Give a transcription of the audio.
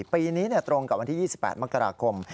ปีนี้ตรงกับวันที่๒๘มกราคม